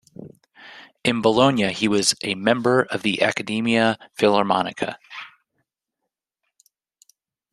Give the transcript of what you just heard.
In Bologna he was a member of the Accademia Filarmonica.